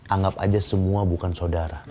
anggap aja semua bukan saudara